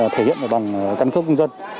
thể hiện bằng căn cước công dân